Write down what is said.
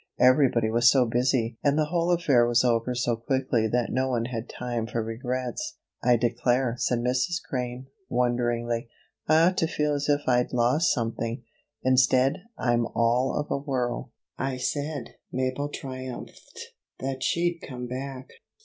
Everybody was so busy and the whole affair was over so quickly that no one had time for regrets. "I declare," said Mrs. Crane, wonderingly, "I ought to feel as if I'd lost something. Instead, I'm all of a whirl." "I said," Mabel triumphed, "that she'd come back."